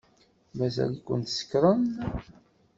Mazal-iken tsekṛem.